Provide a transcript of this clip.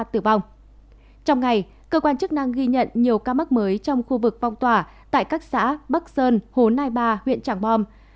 trong ngày cơ quan chức năng ghi nhận nhiều ca mắc mới trong khu vực phong tỏa tại các xã bắc sơn hồ nai ba huyện trảng bom